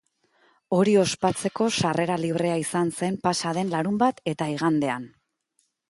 Hori ospatzeko sarrera librea izan zen pasa den larunbat eta igandean.